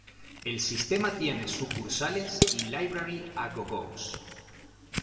El sistema tiene sucursales y "Library-a-Go-Go"s.